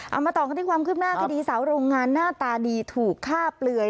มาต่อกันที่ความคืบหน้าคดีสาวโรงงานหน้าตาดีถูกฆ่าเปลือย